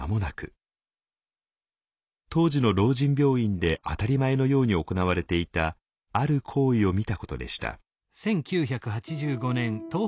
当時の老人病院で当たり前のように行われていたある行為を見たことでした。